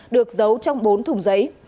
được giấu trong bốn thùng giấy